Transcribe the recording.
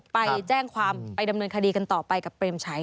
ไปแจ้งความไปดำเนินคดีกันต่อไปกับเปรมชัย